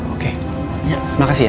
oke makasih ya